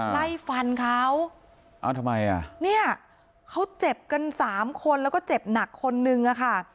ไล่ฟันเขาเอาทำไมอ่ะเนี่ยเขาเจ็บกันสามคนแล้วก็เจ็บหนักคนนึงอะค่ะ